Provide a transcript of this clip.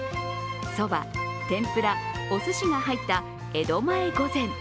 そば、天ぷら、おすしが入った江戸前御膳。